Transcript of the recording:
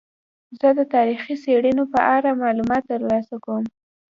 زه د تاریخي څیړنو په اړه معلومات ترلاسه کوم.